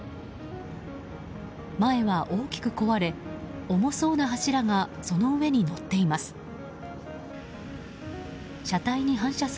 前は大きく壊れ、重そうな柱がその上に乗っています。